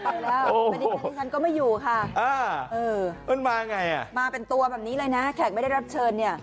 ดิฉันก็ไม่อยู่ค่ะมันมาไงอ่ะมาเป็นตัวแบบนี้เลยนะแขกไม่ได้รับเชิญเนี่ย